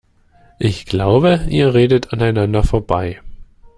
Ich glaube, ihr redet aneinander vorbei.